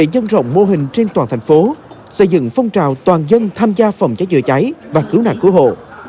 nhân rộng mô hình trên toàn thành phố xây dựng phong trào toàn dân tham gia phòng cháy chữa cháy và cứu nạn cứu hộ